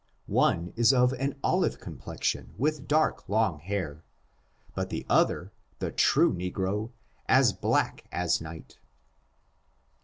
One is of an olive complexion with dark, long hair, but the other, the true negro, as black as night.